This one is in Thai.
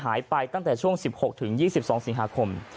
หายไปตั้งแต่ช่วง๑๖๒๒สิงหาคม